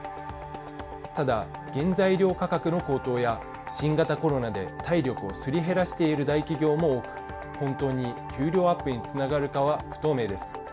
ただ、原材料価格の高騰や新型コロナで体力をすり減らしている大企業も多く、本当に給料アップにつながるかは不透明です。